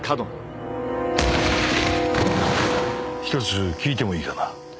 １つ聞いてもいいかな？